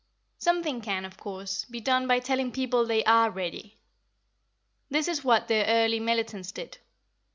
Something can, of course, be done by telling people they are ready. This is what the early militants did.